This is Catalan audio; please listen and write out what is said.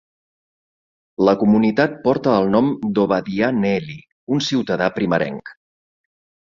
La comunitat porta el nom d'Obadiah Neely, un ciutadà primerenc.